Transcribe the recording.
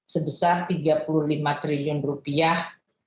sebesar tiga puluh lima triliun rupiah